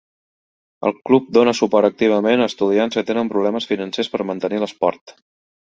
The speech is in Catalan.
El club dona suport activament a estudiants que tenen problemes financers per mantenir l'esport.